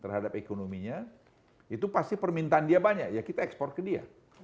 terhadap ekonominya itu pasti permintaan dia banyak ya kita ekspor ke dia